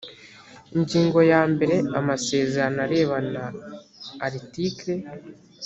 ingingo yambere amasezerano arebana article